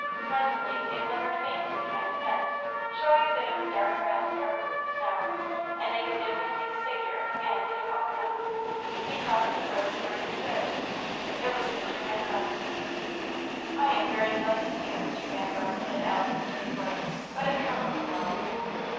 Presently it glimmered faintly behind the fence, showing a bit of the dark rails covered with snow, and they could dimly see the figure of a man getting over them. He crossed the road to where they stood. It was Mr. Van Brunt. "I am very glad to see you, Mr. Van Brunt." said Alice's sweet voice; but it trembled a little.